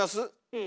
うん。